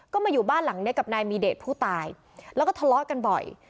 ก็มาอยู่บ้านหลังนี้กับนายมีเดชผู้ตายแล้วก็ทะเลาะกันบ่อย